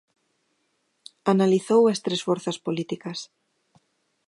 Analizou as tres forzas políticas.